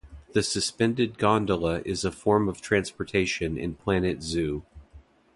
The Suspended Gondola is a form of transportation in Planet Zoo.